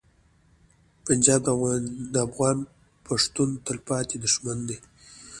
پنجاب د افغان پښتون تلپاتې دښمن دی.